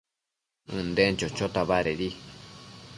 ënden chochota badedi